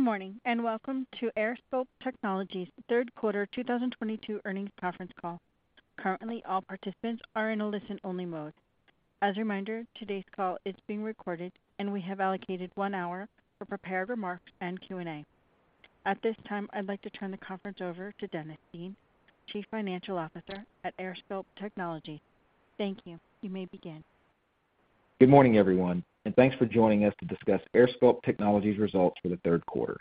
Good morning, and welcome to AirSculpt Technologies' 1/3 1/4 2022 earnings conference call. Currently, all participants are in a Listen-Only mode. As a reminder, today's call is being recorded, and we have allocated one hour for prepared remarks and Q&A. At this time, I'd like to turn the conference over to Dennis Dean, Chief Financial Officer at AirSculpt Technologies. Thank you. You may begin. Good morning, everyone, and thanks for joining us to discuss AirSculpt Technologies' results for the 1/3 1/4.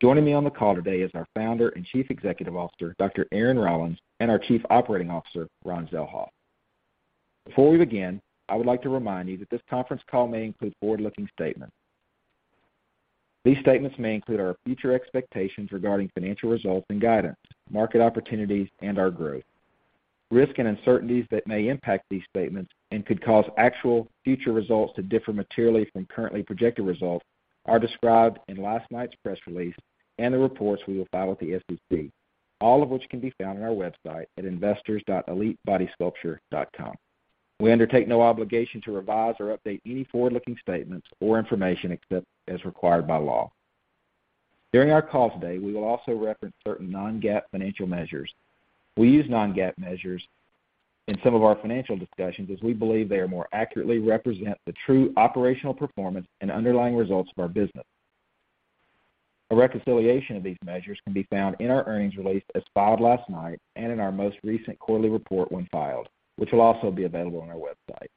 Joining me on the call today is our Founder and Chief Executive Officer, Dr. Aaron Rollins, and our Chief Operating Officer, Ron Zelhof. Before we begin, I would like to remind you that this conference call may include forward-looking statements. These statements may include our future expectations regarding financial results and guidance, market opportunities, and our growth. Risk and uncertainties that may impact these statements and could cause actual future results to differ materially from currently projected results are described in last night's press release and the reports we will file with the SEC, all of which can be found on our website at investors.elitebodysculpture.com. We undertake no obligation to revise or update any forward-looking statements or information except as required by law. During our call today, we will also reference certain Non-GAAP financial measures. We use Non-GAAP measures in some of our financial discussions as we believe they are more accurately represent the true operational performance and underlying results of our business. A reconciliation of these measures can be found in our earnings release as filed last night and in our most recent quarterly report when filed, which will also be available on our website.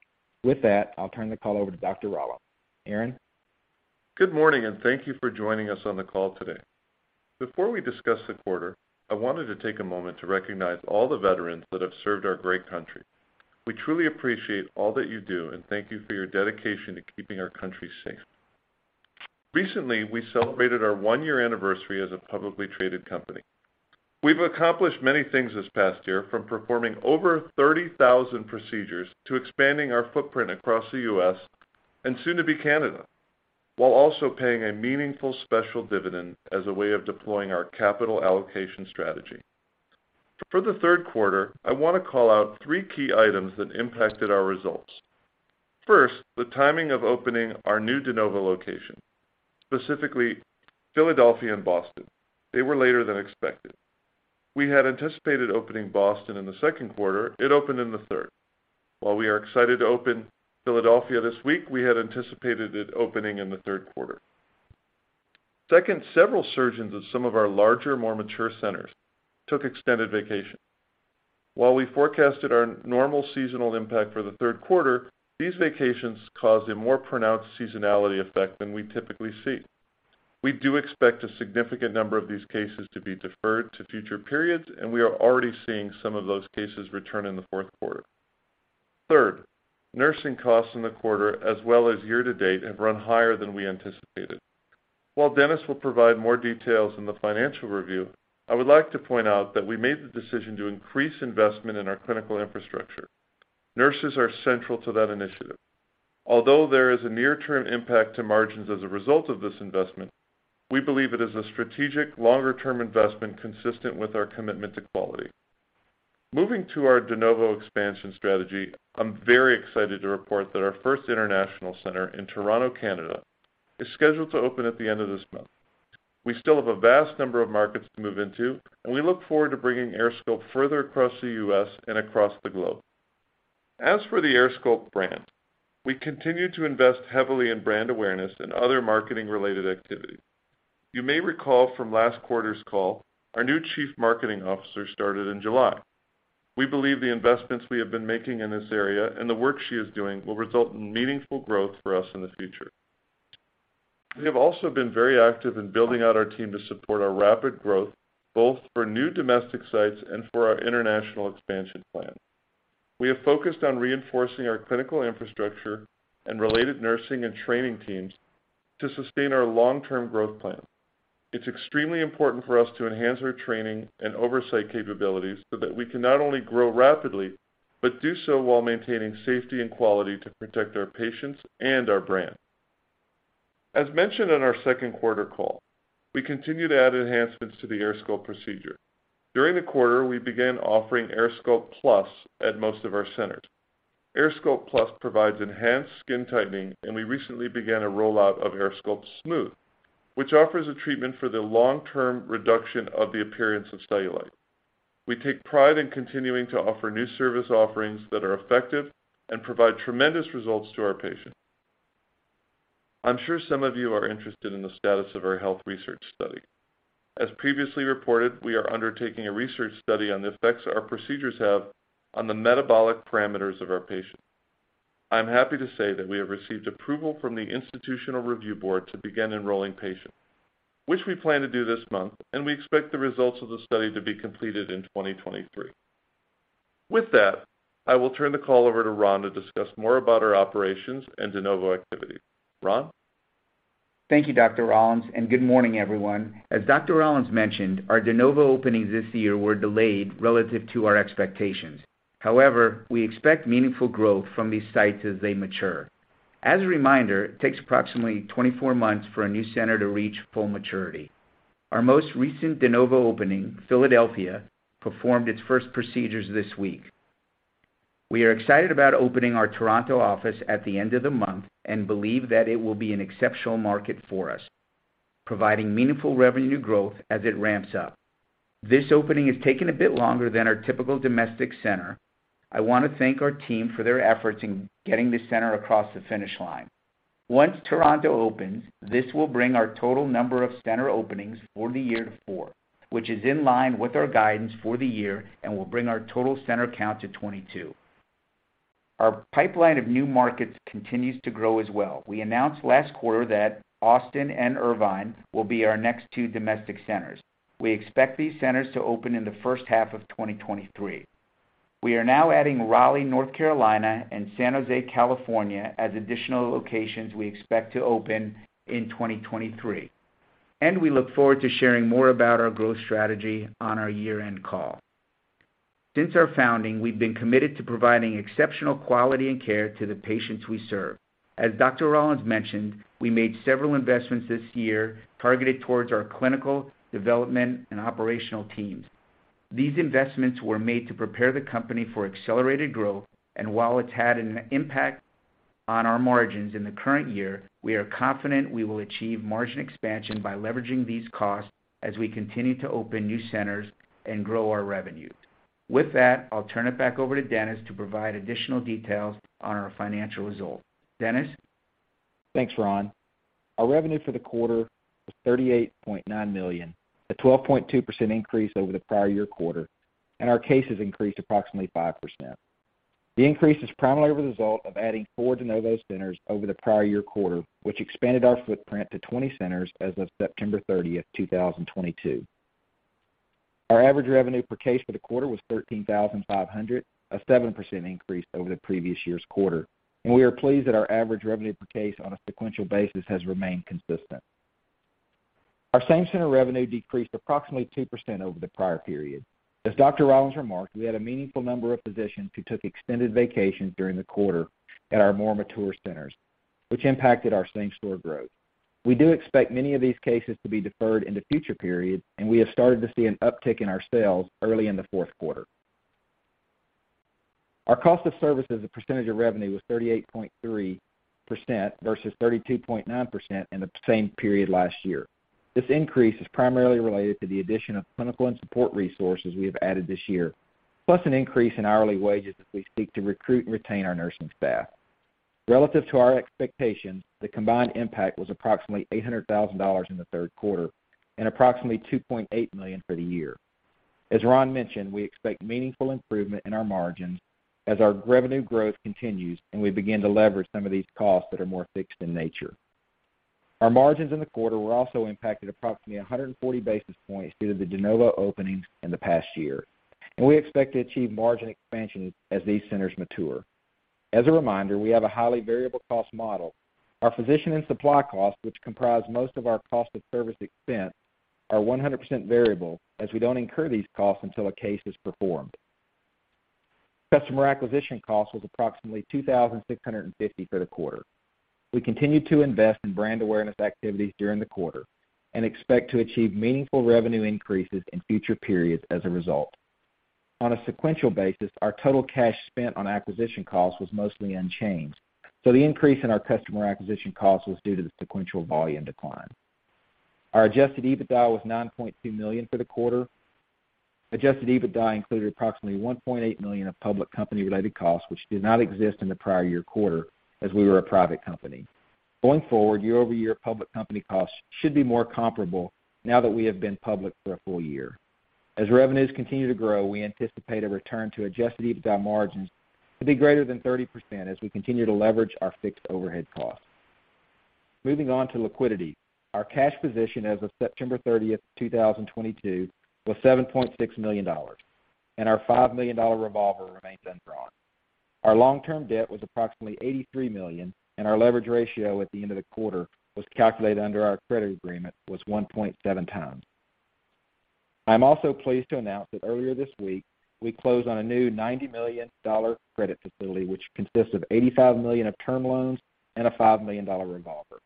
With that, I'll turn the call over to Dr. Rollins. Aaron? Good morning, and thank you for joining us on the call today. Before we discuss the 1/4, I wanted to take a moment to recognize all the veterans that have served our great country. We truly appreciate all that you do, and thank you for your dedication to keeping our country safe. Recently, we celebrated our one-year anniversary as a publicly traded company. We've accomplished many things this past year, from performing over 30,000 procedures to expanding our footprint across the U.S. and soon to be Canada, while also paying a meaningful special dividend as a way of deploying our capital allocation strategy. For the 1/3 1/4, I wanna call out 3 key items that impacted our results. First, the timing of opening our new de novo location, specifically Philadelphia and Boston. They were later than expected. We had anticipated opening Boston in the second 1/4. It opened in the 1/3. While we are excited to open Philadelphia this week, we had anticipated it opening in the 1/3 1/4. Second, several surgeons of some of our larger, more mature centers took extended vacations. While we forecasted our normal seasonal impact for the 1/3 1/4, these vacations caused a more pronounced seasonality effect than we typically see. We do expect a significant number of these cases to be deferred to future periods, and we are already seeing some of those cases return in the fourth 1/4. Third, nursing costs in the 1/4, as well as year to date, have run higher than we anticipated. While Dennis will provide more details in the financial review, I would like to point out that we made the decision to increase investment in our clinical infrastructure. Nurses are central to that initiative. Although there is a Near-Term impact to margins as a result of this investment, we believe it is a strategic longer-term investment consistent with our commitment to quality. Moving to our de novo expansion strategy, I'm very excited to report that our first international center in Toronto, Canada is scheduled to open at the end of this month. We still have a vast number of markets to move into, and we look forward to bringing AirSculpt further across the U.S. and across the globe. As for the AirSculpt brand, we continue to invest heavily in brand awareness and other marketing-related activities. You may recall from last 1/4's call, our new chief marketing officer started in July. We believe the investments we have been making in this area and the work she is doing will result in meaningful growth for us in the future. We have also been very active in building out our team to support our rapid growth, both for new domestic sites and for our international expansion plan. We have focused on reinforcing our clinical infrastructure and related nursing and training teams to sustain our Long-Term growth plan. It's extremely important for us to enhance our training and oversight capabilities so that we can not only grow rapidly but do so while maintaining safety and quality to protect our patients and our brand. As mentioned on our second 1/4 call, we continue to add enhancements to the AirSculpt procedure. During the 1/4, we began offering AirSculpt+ at most of our centers. AirSculpt+ provides enhanced skin tightening, and we recently began a rollout of AirSculpt Smooth, which offers a treatment for the Long-Term reduction of the appearance of cellulite. We take pride in continuing to offer new service offerings that are effective and provide tremendous results to our patients. I'm sure some of you are interested in the status of our health research study. As previously reported, we are undertaking a research study on the effects our procedures have on the metabolic parameters of our patients. I'm happy to say that we have received approval from the Institutional Review Board to begin enrolling patients, which we plan to do this month, and we expect the results of the study to be completed in 2023. With that, I will turn the call over to Ron to discuss more about our operations and de novo activity. Ron? Thank you, Dr. Rollins, and good morning, everyone. As Dr. Rollins mentioned, our de novo openings this year were delayed relative to our expectations. However, we expect meaningful growth from these sites as they mature. As a reminder, it takes approximately 24 months for a new center to reach full maturity. Our most recent de novo opening, Philadelphia, performed its first procedures this week. We are excited about opening our Toronto office at the end of the month and believe that it will be an exceptional market for us, providing meaningful revenue growth as it ramps up. This opening has taken a bit longer than our typical domestic center. I wanna thank our team for their efforts in getting this center across the finish line. Once Toronto opens, this will bring our total number of center openings for the year to 4, which is in line with our guidance for the year and will bring our total center count to 22. Our pipeline of new markets continues to grow as well. We announced last 1/4 that Austin and Irvine will be our next 2 domestic centers. We expect these centers to open in the first 1/2 of 2023. We are now adding Raleigh, North Carolina, and San Jose, California, as additional locations we expect to open in 2023, and we look forward to sharing more about our growth strategy on our year-end call. Since our founding, we've been committed to providing exceptional quality and care to the patients we serve. As Dr. Rollins mentioned, we made several investments this year targeted towards our clinical, development, and operational teams. These investments were made to prepare the company for accelerated growth, and while it's had an impact on our margins in the current year, we are confident we will achieve margin expansion by leveraging these costs as we continue to open new centers and grow our revenue. With that, I'll turn it back over to Dennis to provide additional details on our financial results. Dennis? Thanks, Ron. Our revenue for the 1/4 was $38.9 million, a 12.2% increase over the prior year 1/4, and our cases increased approximately 5%. The increase is primarily the result of adding 4 de novo centers over the prior year 1/4, which expanded our footprint to 20 centers as of September 30, 2022. Our average revenue per case for the 1/4 was $13,500, a 7% increase over the previous year's 1/4, and we are pleased that our average revenue per case on a sequential basis has remained consistent. Our same center revenue decreased approximately 2% over the prior period. As Dr. Rollins remarked, we had a meaningful number of physicians who took extended vacations during the 1/4 at our more mature centers, which impacted our same center growth. We do expect many of these cases to be deferred into future periods, and we have started to see an uptick in our sales early in the fourth 1/4. Our cost of service as a percentage of revenue was 38.3% versus 32.9% in the same period last year. This increase is primarily related to the addition of clinical and support resources we have added this year, plus an increase in hourly wages as we seek to recruit and retain our nursing staff. Relative to our expectations, the combined impact was approximately $800,000 in the 1/3 1/4 and approximately $2.8 million for the year. As Ron mentioned, we expect meaningful improvement in our margins as our revenue growth continues, and we begin to leverage some of these costs that are more fixed in nature. Our margins in the 1/4 were also impacted approximately 140 basis points due to the de novo openings in the past year, and we expect to achieve margin expansion as these centers mature. As a reminder, we have a highly variable cost model. Our physician and supply costs, which comprise most of our cost of service expense, are 100% variable as we don't incur these costs until a case is performed. Customer acquisition cost was approximately $2,650 for the 1/4. We continued to invest in brand awareness activities during the 1/4 and expect to achieve meaningful revenue increases in future periods as a result. On a sequential basis, our total cash spent on acquisition costs was mostly unchanged, so the increase in our customer acquisition costs was due to the sequential volume decline. Our adjusted EBITDA was $9.2 million for the 1/4. Adjusted EBITDA included approximately $1.8 million of public company-related costs, which did not exist in the prior year 1/4 as we were a private company. Going forward, Year-Over-Year public company costs should be more comparable now that we have been public for a full year. As revenues continue to grow, we anticipate a return to adjusted EBITDA margins to be greater than 30% as we continue to leverage our fixed overhead costs. Moving on to liquidity. Our cash position as of September 30, 2022, was $7.6 million, and our $5 million revolver remains undrawn. Our Long-Term debt was approximately $83 million, and our leverage ratio at the end of the 1/4, calculated under our credit agreement, was 1.7 times. I'm also pleased to announce that earlier this week, we closed on a new $90 million credit facility, which consists of $85 million of term loans and a $5 million revolver.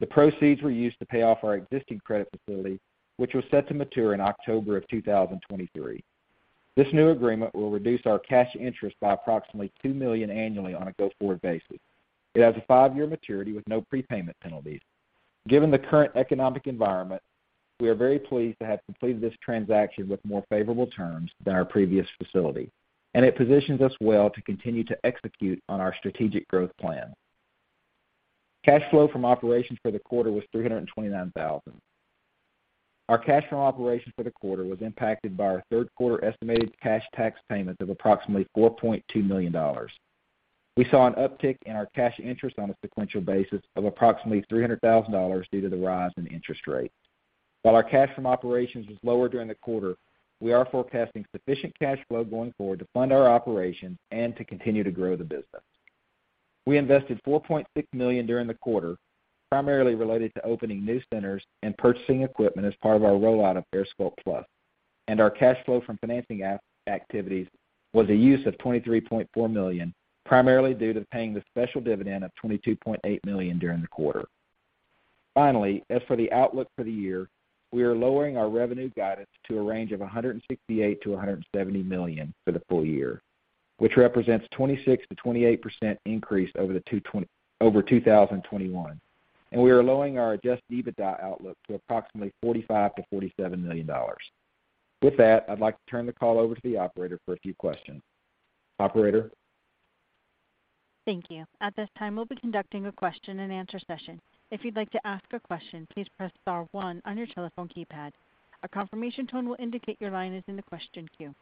The proceeds were used to pay off our existing credit facility, which was set to mature in October of 2023. This new agreement will reduce our cash interest by approximately $2 million annually on a go-forward basis. It has a 5-year maturity with no prepayment penalties. Given the current economic environment, we are very pleased to have completed this transaction with more favorable terms than our previous facility, and it positions us well to continue to execute on our strategic growth plan. Cash flow from operations for the 1/4 was 329,000. Our cash from operations for the 1/4 was impacted by our 1/3 1/4 estimated cash tax payment of approximately $4.2 million. We saw an uptick in our cash interest on a sequential basis of approximately $300 thousand due to the rise in interest rates. While our cash from operations was lower during the 1/4, we are forecasting sufficient cash flow going forward to fund our operations and to continue to grow the business. We invested $4.6 million during the 1/4, primarily related to opening new centers and purchasing equipment as part of our rollout of AirSculpt Plus, and our cash flow from financing activities was a use of $23.4 million, primarily due to paying the special dividend of $22.8 million during the 1/4. Finally, as for the outlook for the year, we are lowering our revenue guidance to a range of $168 Million-$170 million for the full year, which represents 26%-28% increase over 2021. We are lowering our adjusted EBITDA outlook to approximately $45 million-$47 million. With that, I'd like to turn the call over to the operator for a few questions. Operator? Thank you. At this time, we'll be conducting a question and answer session. If you'd like to ask a question, please press star one on your telephone keypad. A confirmation tone will indicate your line is in the question queue.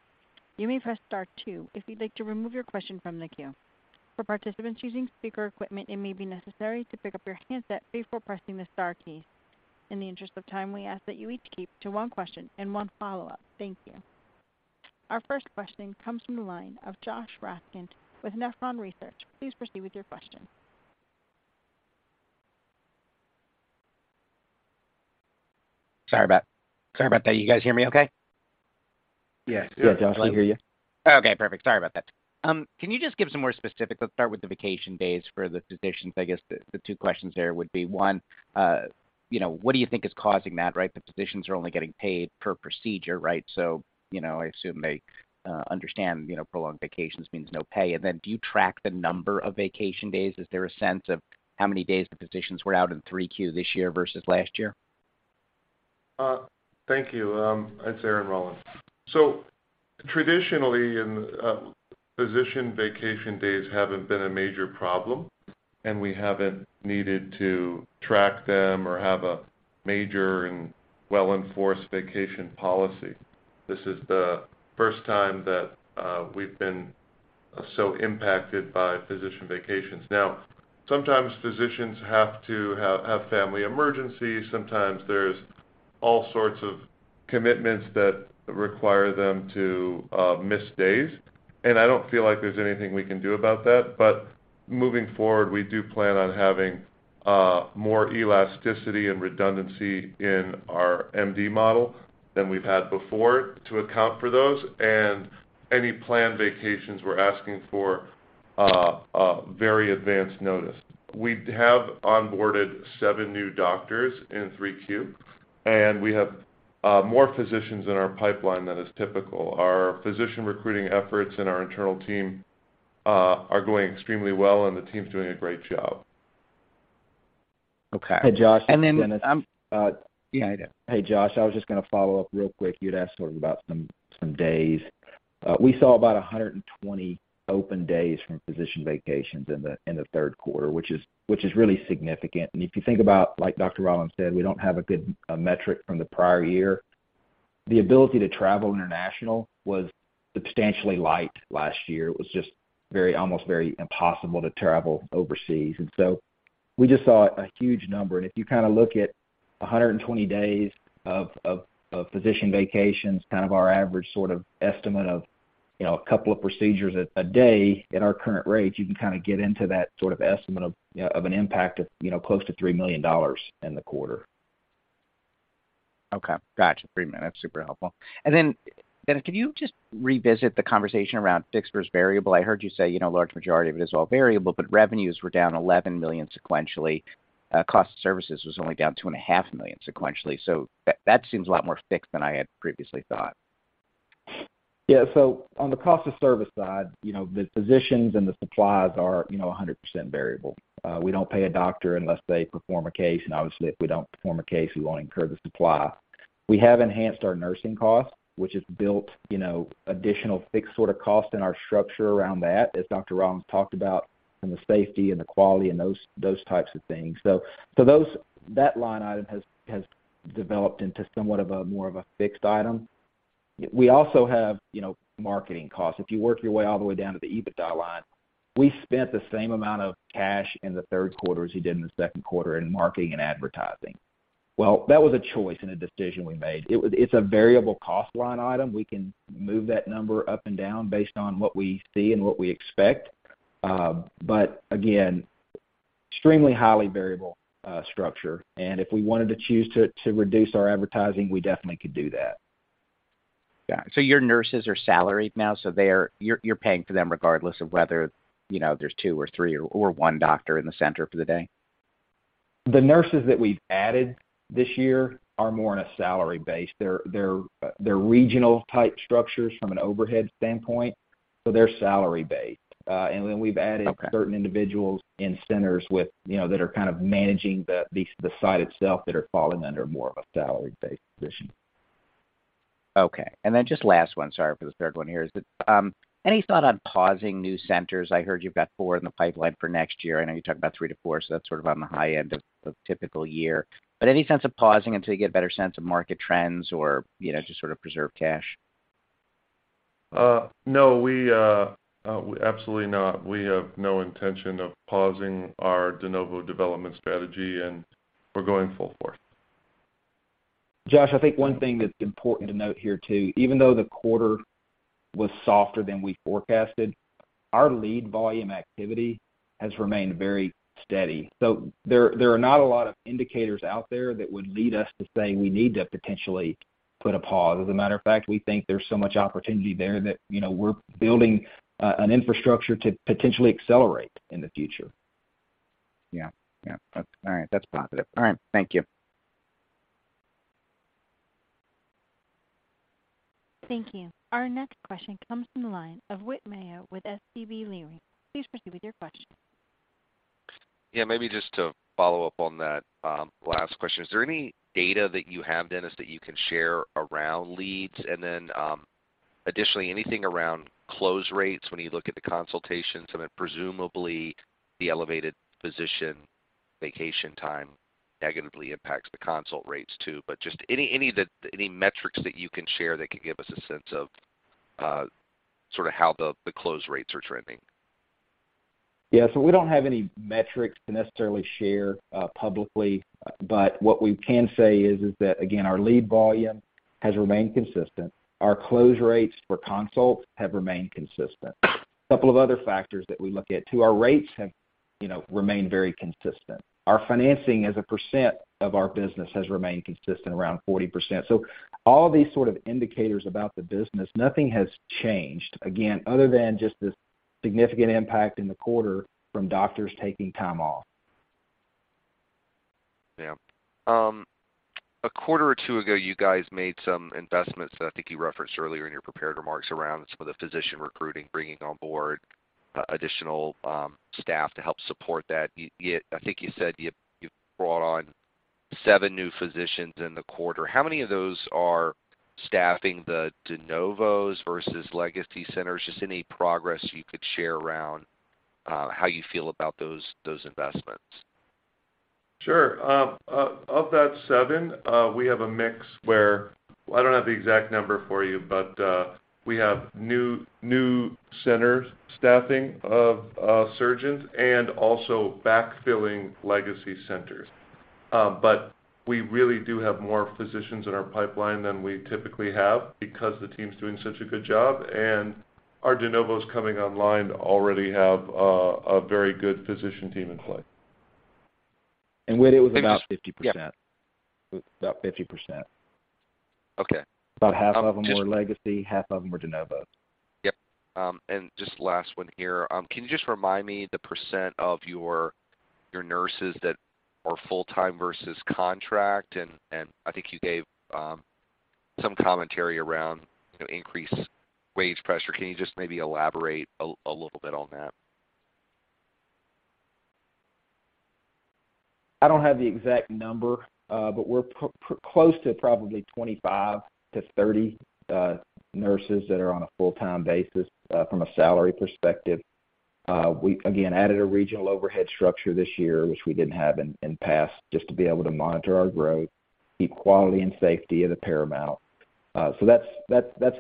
You may press star 2 if you'd like to remove your question from the queue. For participants using speaker equipment, it may be necessary to pick up your handset before pressing the star keys. In the interest of time, we ask that you each keep to one question and one Follow-Up. Thank you. Our first question comes from the line of Josh Raskin with Nephron Research. Please proceed with your question. Sorry about that. You guys hear me okay? Yes. Yeah, Josh, we hear you. Okay, perfect. Sorry about that. Can you just give some more specifics? Let's start with the vacation days for the physicians. I guess the 2 questions there would be, one, you know, what do you think is causing that, right? The physicians are only getting paid per procedure, right? So, you know, I assume they understand, you know, prolonged vacations means no pay. Then do you track the number of vacation days? Is there a sense of how many days the physicians were out in 3Q this year versus last year? Thank you. It's Aaron Rollins. Traditionally in, physician vacation days haven't been a major problem, and we haven't needed to track them or have a major and Well-Enforced vacation policy. This is the first time that we've been so impacted by physician vacations. Now, sometimes physicians have to have family emergencies. Sometimes there's all sorts of commitments that require them to miss days. I don't feel like there's anything we can do about that. Moving forward, we do plan on having more elasticity and redundancy in our MD model than we've had before to account for those. Any planned vacations, we're asking for very advanced notice. We have onboarded seven new doctors in 3Q, and we have more physicians in our pipeline than is typical. Our physician recruiting efforts and our internal team are going extremely well, and the team's doing a great job. Okay. Hey, Josh, it's Dennis. Yeah, I do. Hey, Josh, I was just gonna follow up real quick. You'd asked sort of about some days. We saw about 120 open days from physician vacations in the 1/3 1/4, which is really significant. If you think about, like Dr. Rollins said, we don't have a good metric from the prior year. The ability to travel internationally was substantially limited last year. It was just almost impossible to travel overseas. We just saw a huge number. If you kinda look at 120 days of physician vacations, kind of our average sort of estimate of, you know, a couple of procedures a day at our current rates, you can kinda get into that sort of estimate of, you know, an impact of, you know, close to $3 million in the 1/4. Okay. Gotcha. $3 million. That's super helpful. Dennis, can you just revisit the conversation around fixed versus variable? I heard you say, you know, a large majority of it is all variable, but revenues were down $11 million sequentially. Cost of services was only down $2.5 million sequentially. That seems a lot more fixed than I had previously thought. Yeah. On the cost of service side, you know, the physicians and the supplies are, you know, 100% variable. We don't pay a doctor unless they perform a case. And obviously, if we don't perform a case, we won't incur the supply. We have enhanced our nursing costs, which has built, you know, additional fixed sort of cost in our structure around that, as Dr. Rollins talked about, and the safety and the quality and those types of things. Those that line item has developed into somewhat more of a fixed item. We also have, you know, marketing costs. If you work your way all the way down to the EBITDA line, we spent the same amount of cash in the 1/3 1/4 as we did in the second 1/4 in marketing and advertising. Well, that was a choice and a decision we made. It's a variable cost line item. We can move that number up and down based on what we see and what we expect. Again, extremely highly variable structure. If we wanted to choose to reduce our advertising, we definitely could do that. Got it. Your nurses are salaried now, so they're, you're paying for them regardless of whether, you know, there's 2 or 3 or 1 doctor in the center for the day? The nurses that we've added this year are more in a salary base. They're regional type structures from an overhead standpoint, so they're salary based. We've added. Okay. Certain individuals in centers with, you know, that are kind of managing the site itself that are falling under more of a Salary-Based position. Okay. Just last one, sorry for the 1/3 one here. Is there any thought on pausing new centers? I heard you've got 4 in the pipeline for next year. I know you talked about 3-4, so that's sort of on the high end of a typical year. Any sense of pausing until you get a better sense of market trends or, you know, just sort of preserve cash? No, we absolutely not. We have no intention of pausing our de novo development strategy, and we're going full force. Josh, I think one thing that's important to note here too, even though the 1/4 was softer than we forecasted, our lead volume activity has remained very steady. There are not a lot of indicators out there that would lead us to say we need to potentially put a pause. As a matter of fact, we think there's so much opportunity there that, you know, we're building an infrastructure to potentially accelerate in the future. Yeah. Yeah, that's all right. That's positive. All right, thank you. Thank you. Our next question comes from the line of Whit Mayo with SVB Leerink. Please proceed with your question. Yeah, maybe just to follow up on that, last question. Is there any data that you have, Dennis, that you can share around leads? Additionally, anything around close rates when you look at the consultations, and then presumably the elevated physician vacation time negatively impacts the consult rates too. Just any metrics that you can share that could give us a sense of, sorta how the close rates are trending. Yeah. We don't have any metrics to necessarily share publicly. But what we can say is that again, our lead volume has remained consistent. Our close rates for consults have remained consistent. A couple of other factors that we look at too, our rates have remained very consistent. Our financing as a percent of our business has remained consistent, around 40%. All these sort of indicators about the business, nothing has changed, again, other than just this significant impact in the 1/4 from doctors taking time off. Yeah. A 1/4 or 2 ago, you guys made some investments that I think you referenced earlier in your prepared remarks around some of the physician recruiting, bringing on board additional staff to help support that. I think you said you brought on 7 new physicians in the 1/4. How many of those are staffing the de novos versus legacy centers? Just any progress you could share around how you feel about those investments. Sure. Of that 7, we have a mix where I don't have the exact number for you, but we have new centers staffing of surgeons and also backfilling legacy centers. We really do have more physicians in our pipeline than we typically have because the team's doing such a good job, and our de novos coming online already have a very good physician team in play. Whit, it was about 50%. Yeah. It was about 50%. Okay. About 1/2 of them were legacy, 1/2 of them were de novo. Yep. Just last one here. Can you just remind me the percent of your nurses that are full-time versus contract? I think you gave some commentary around, you know, increased wage pressure. Can you just maybe elaborate a little bit on that? I don't have the exact number, but we're close to probably 25-30 nurses that are on a full-time basis, from a salary perspective. We again added a regional overhead structure this year, which we didn't have in past, just to be able to monitor our growth, keep quality and safety as a paramount. That's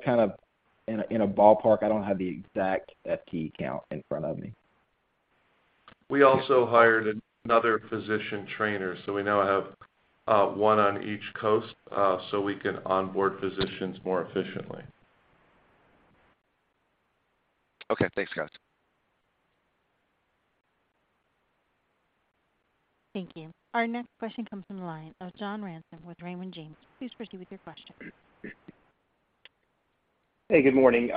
kind of in a ballpark. I don't have the exact FT count in front of me. We also hired another physician trainer, so we now have one on each coast, so we can onboard physicians more efficiently. Okay. Thanks, guys. Thank you. Our next question comes from the line of John Ransom with Raymond James. Please proceed with your question. Hey, good morning.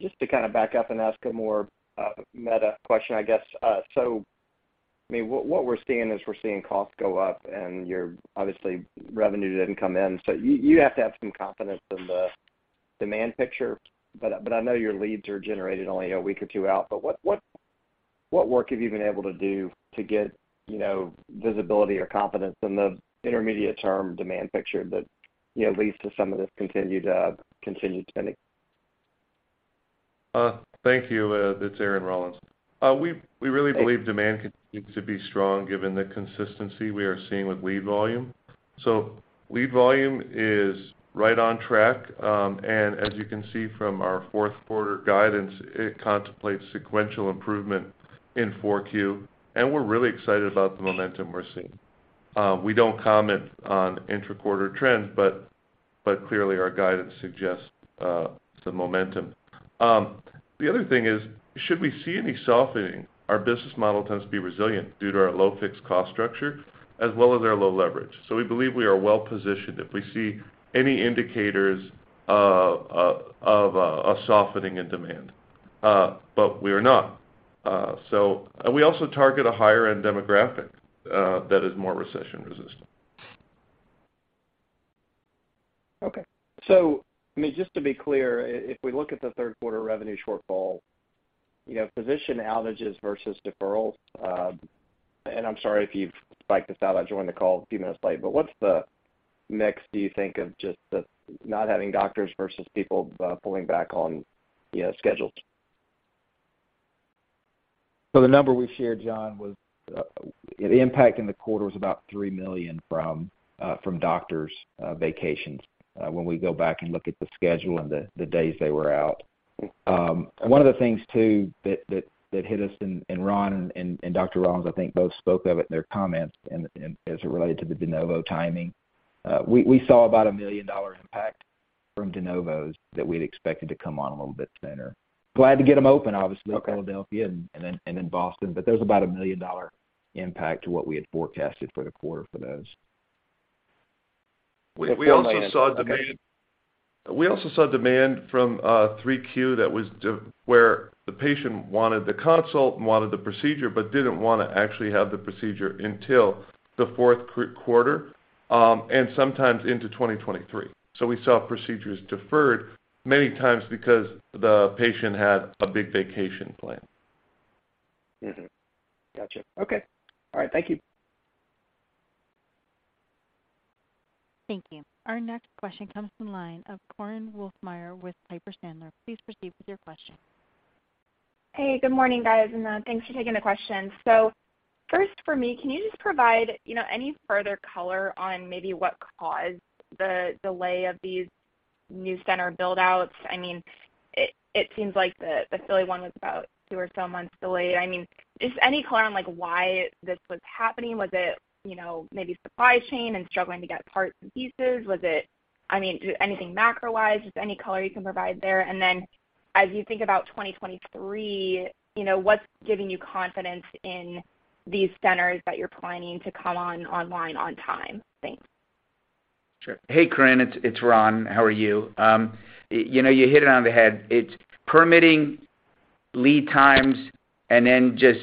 Just to kind of back up and ask a more meta question, I guess. I mean, what we're seeing is costs go up and, obviously, your revenue didn't come in. You have to have some confidence in the demand picture, but I know your leads are generated only a week or 2 out. What work have you been able to do to get, you know, visibility or confidence in the intermediate term demand picture that, you know, leads to some of this continued spending? Thank you. It's Aaron Rollins. We really believe demand continues to be strong given the consistency we are seeing with lead volume. Lead volume is right on track. As you can see from our fourth 1/4 guidance, it contemplates sequential improvement in 4Q, and we're really excited about the momentum we're seeing. We don't comment on Intra-Quarter trends, but clearly our guidance suggests some momentum. The other thing is, should we see any softening, our business model tends to be resilient due to our low fixed cost structure as well as our low leverage. We believe we are well positioned if we see any indicators of a softening in demand, but we are not. We also target a higher-end demographic that is more recession-resistant. I mean, just to be clear, if we look at the 1/3 1/4 revenue shortfall, you have physician outages versus deferrals. I'm sorry if you've spelled this out, I joined the call a few minutes late. What's the mix, do you think, of just the not having doctors versus people pulling back on, you know, schedules? The number we shared, John, was the impact in the 1/4 was about $3 million from doctors' vacations when we go back and look at the schedule and the days they were out. One of the things too that hit us, and Ron and Dr. Rollins I think both spoke of it in their comments and as it related to the de novo timing, we saw about a $1 million impact from de novos that we'd expected to come on a little bit sooner. Glad to get them open, obviously. Okay. in Philadelphia and then Boston. There's about $1 million impact to what we had forecasted for the 1/4 for those. We also saw demand. $4 million. Okay. We also saw demand from Q3 where the patient wanted the consult and wanted the procedure, but didn't wanna actually have the procedure until the fourth 1/4, and sometimes into 2023. We saw procedures deferred many times because the patient had a big vacation planned. Gotcha. Okay. All right. Thank you. Thank you. Our next question comes from line of Korinne Wolfmeyer with Piper Sandler. Please proceed with your question. Hey, good morning, guys, and thanks for taking the question. So first for me, can you just provide, you know, any further color on maybe what caused the delay of these new center build outs? I mean, it seems like the Philly one was about 2 or so months delayed. I mean, just any color on like why this was happening. Was it, you know, maybe supply chain and struggling to get parts and pieces? Was it doing anything macro-wise, just any color you can provide there. Then as you think about 2023, you know, what's giving you confidence in these centers that you're planning to come online on time? Thanks. Sure. Hey, Corrin. It's Ron. How are you? You know, you hit it on the head. It's permitting lead times and then just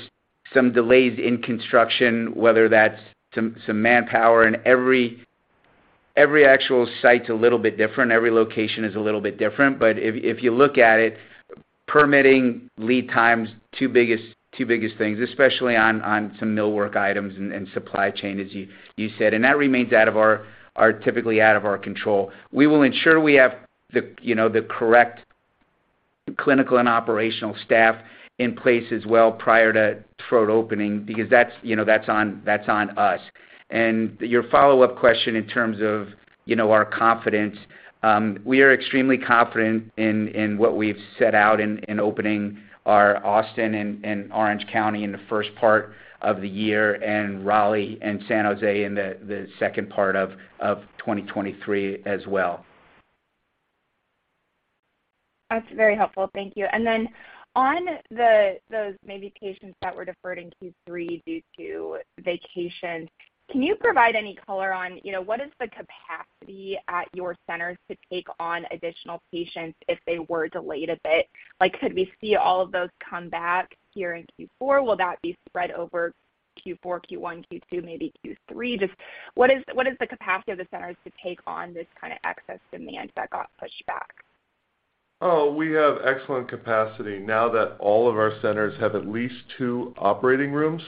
some delays in construction, whether that's some manpower and every actual site's a little bit different. Every location is a little bit different. If you look at it, permitting lead times 2 biggest things, especially on some millwork items and supply chain, as you said. That remains out of our control. They are typically out of our control. We will ensure we have you know the correct clinical and operational staff in place as well prior to grand opening because you know that's on us. Your follow-up question in terms of, you know, our confidence, we are extremely confident in what we've set out in opening our Austin and Orange County in the first part of the year and Raleigh and San Jose in the second part of 2023 as well. That's very helpful. Thank you. Then on those maybe patients that were deferred in Q3 due to vacations, can you provide any color on, you know, what is the capacity at your centers to take on additional patients if they were delayed a bit? Like, could we see all of those come back here in Q4? Will that be spread over Q4, Q1, Q2, maybe Q3? Just what is the capacity of the centers to take on this kind of excess demand that got pushed back? Oh, we have excellent capacity now that all of our centers have at least 2 operating rooms.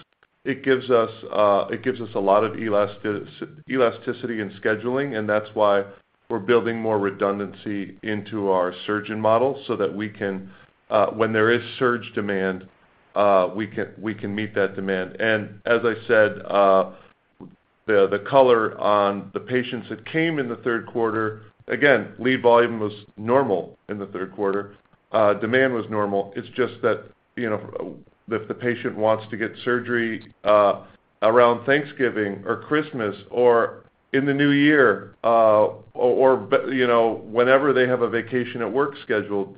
It gives us a lot of elasticity in scheduling, and that's why we're building more redundancy into our surgeon model so that we can, when there is surge demand, we can meet that demand. As I said, the color on the patients that came in the 1/3 1/4. Again, lead volume was normal in the 1/3 1/4. Demand was normal. It's just that, you know, if the patient wants to get surgery around Thanksgiving or Christmas or in the new year, or you know, whenever they have a vacation at work scheduled,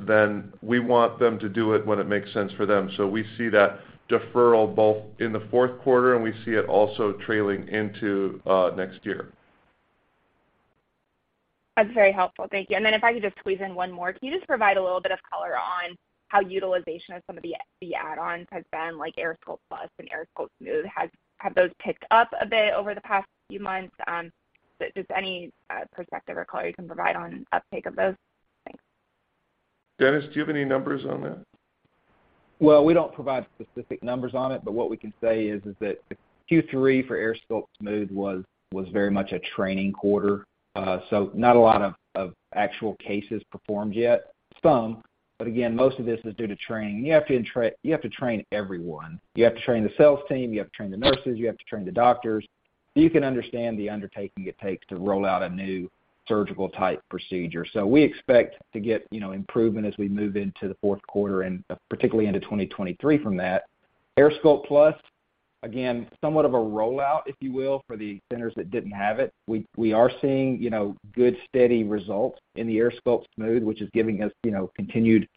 then we want them to do it when it makes sense for them. We see that deferral both in the fourth 1/4, and we see it also trailing into next year. That's very helpful. Thank you. If I could just squeeze in one more. Can you just provide a little bit of color on how utilization of some of the Add-Ons has been like AirSculpt+ and AirSculpt Smooth? Have those picked up a bit over the past few months? Just any perspective or color you can provide on uptake of those? Thanks. Dennis, do you have any numbers on that? Well, we don't provide specific numbers on it, but what we can say is that Q3 for AirSculpt Smooth was very much a training 1/4. So not a lot of actual cases performed yet. Some, but again, most of this is due to training. You have to train everyone. You have to train the sales team, you have to train the nurses, you have to train the doctors. You can understand the undertaking it takes to roll out a new surgical type procedure. We expect to get, you know, improvement as we move into the fourth 1/4 and particularly into 2023 from that. AirSculpt Plus, again, somewhat of a rollout, if you will, for the centers that didn't have it. We are seeing, you know, good, steady results in the AirSculpt Smooth, which is giving us, you know, continued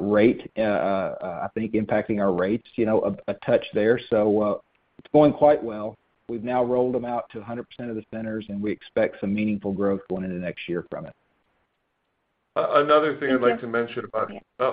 rate, I think impacting our rates, you know, a touch there. It's going quite well. We've now rolled them out to 100% of the centers, and we expect some meaningful growth going into next year from it. Another thing I'd like to mention about. Yeah.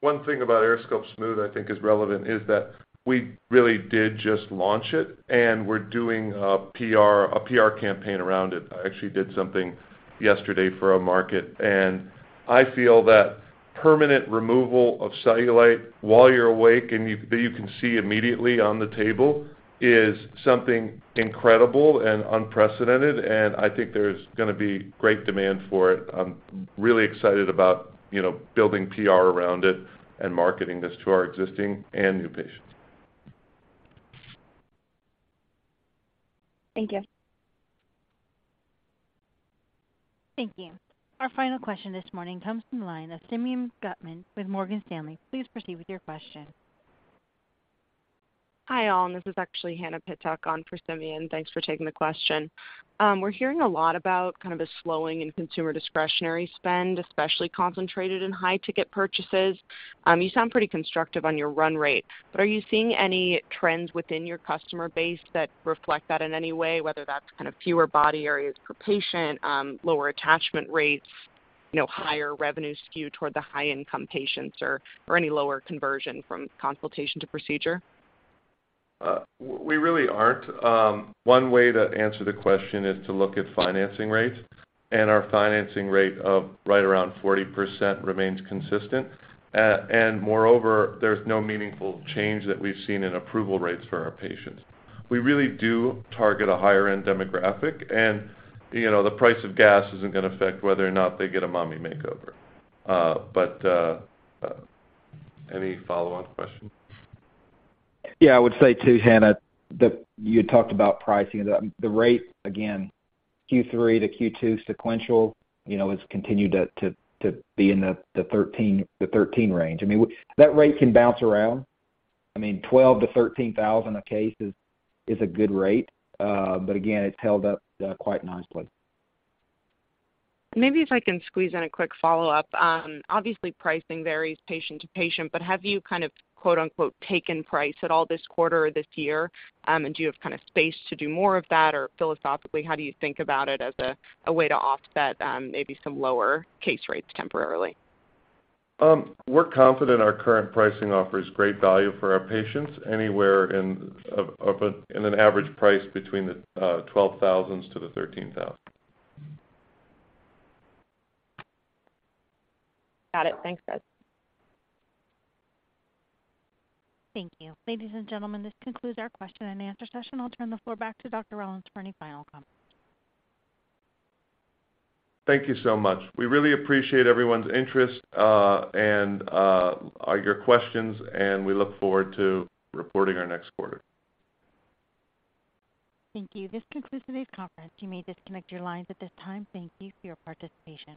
One thing about AirSculpt Smooth I think is relevant is that we really did just launch it, and we're doing a PR campaign around it. I actually did something yesterday for a market, and I feel that permanent removal of cellulite while you're awake and you can see immediately on the table is something incredible and unprecedented, and I think there's gonna be great demand for it. I'm really excited about, you know, building PR around it and marketing this to our existing and new patients. Thank you. Thank you. Our final question this morning comes from line of Simeon Gutman with Morgan Stanley. Please proceed with your question. Hi, all. This is actually Hannah Pittock on for Simeon. Thanks for taking the question. We're hearing a lot about kind of a slowing in consumer discretionary spend, especially concentrated in high-ticket purchases. You sound pretty constructive on your run rate, but are you seeing any trends within your customer base that reflect that in any way, whether that's kind of fewer body areas per patient, lower attachment rates, you know, higher revenue skew toward the High-Income patients or any lower conversion from consultation to procedure? We really aren't. One way to answer the question is to look at financing rates, and our financing rate of right around 40% remains consistent. Moreover, there's no meaningful change that we've seen in approval rates for our patients. We really do target a Higher-End demographic, and, you know, the price of gas isn't gonna affect whether or not they get a mommy makeover. Any Follow-Up question? Yeah, I would say, too, Hannah, that you had talked about pricing. The rate, again, Q3 to Q2 sequential, you know, has continued to be in the $13,000 range. I mean, that rate can bounce around. I mean, $12,000-$13,000 a case is a good rate, but again, it's held up quite nicely. Maybe if I can squeeze in a quick Follow-Up. Obviously pricing varies patient to patient, but have you kind of, Quote-Unquote, "taken price" at all this 1/4 or this year? Do you have kind of space to do more of that? Philosophically, how do you think about it as a way to offset maybe some lower case rates temporarily? We're confident our current pricing offers great value for our patients, anywhere in an average price between $12,000 and $13,000. Got it. Thanks, guys. Thank you. Ladies and gentlemen, this concludes our question-and-answer session. I'll turn the floor back to Dr. Rollins for any final comments. Thank you so much. We really appreciate everyone's interest and your questions, and we look forward to reporting our next 1/4. Thank you. This concludes today's conference. You may disconnect your lines at this time. Thank you for your participation.